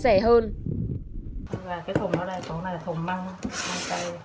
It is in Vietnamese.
cái thùng đó này thùng măng măng cây